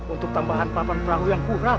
untuk tambahan papan perahu yang kurang